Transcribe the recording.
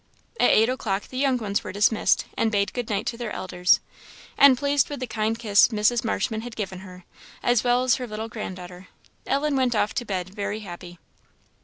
At eight o'clock the young ones were dismissed, and bade good night to their elders; and, pleased with the kind kiss Mrs. Marshman had given her, as well as her little granddaughter, Ellen went off to bed very happy.